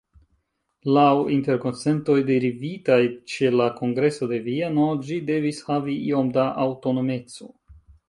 Laŭ interkonsentoj derivitaj ĉe la Kongreso de Vieno ĝi devis havi iom da aŭtonomeco.